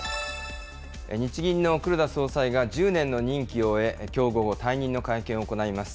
日銀の黒田総裁が１０年の任期を終え、きょう午後、退任の会見を行います。